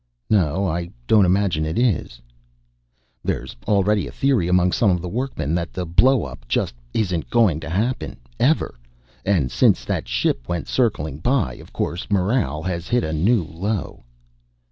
"No, I don't imagine it is." "There's already a theory among some of the workmen that the blow up just isn't going to happen, ever. And since that ship went circling by, of course, morale has hit a new low."